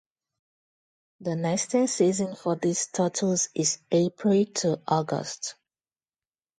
The nesting season for these turtles is April to August.